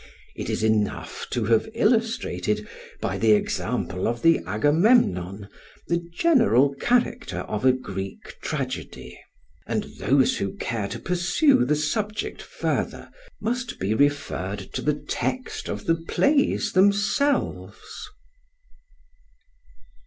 It is enough to have illustrated, by the example of the "Agamemnon," the general character of a Greek tragedy; and those who care to pursue the subject further must be referred to the text of the plays themselves.